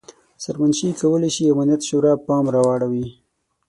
سرمنشي کولای شي امنیت شورا پام راواړوي.